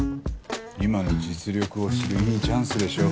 今の実力を知るいいチャンスでしょ。